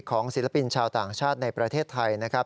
ศิลปินชาวต่างชาติในประเทศไทยนะครับ